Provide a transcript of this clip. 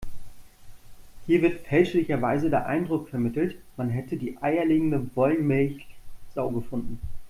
Hier wird fälschlicherweise der Eindruck vermittelt, man hätte die eierlegende Wollmilchsau gefunden.